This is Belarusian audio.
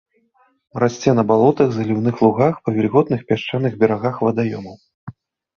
Расце на балотах, заліўных лугах, па вільготных пясчаных берагах вадаёмаў.